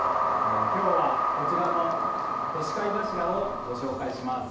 今日は、こちらの干し貝柱をご紹介します。